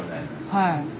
はい。